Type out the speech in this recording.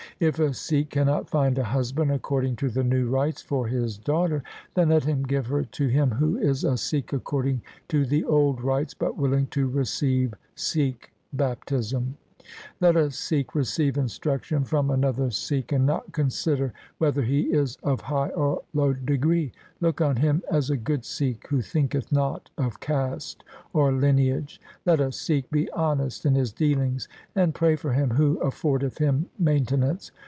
If a Sikh cannot find a husband according to the new rites for his daughter, then let him give her to him who is a Sikh according to the old rites, but willing to receive Sikh baptism. Let a Sikh receive instruction from another Sikh, and not consider whether he is of high or low degree. Look on him as a good Sikh who thinketh not of caste or lineage. Let a Sikh be honest in his dealings, and pray for him who affordeth him maintenance.